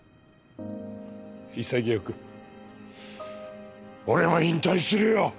潔く俺は引退するよ。